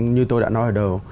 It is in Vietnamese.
như tôi đã nói ở đầu